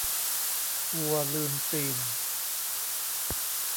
วัวลืมตีน